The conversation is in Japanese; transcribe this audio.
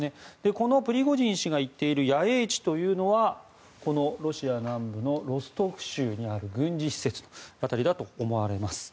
このプリゴジン氏が言っている野営地というのはこのロシア南部のロストフ州にある軍事施設の辺りだと思われます。